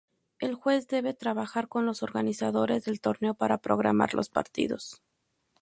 El juez debe trabajar con los organizadores del torneo para programar los partidos.